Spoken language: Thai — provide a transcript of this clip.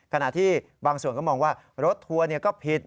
ขณะที่บางส่วนก็มองว่ารถทัวร์ก็ผิด